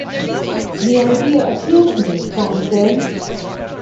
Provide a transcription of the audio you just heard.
"The idea appealed to me", Fong said.